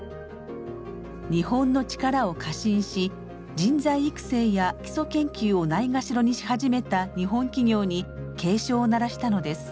日本の力を過信し人材育成や基礎研究をないがしろにし始めた日本企業に警鐘を鳴らしたのです。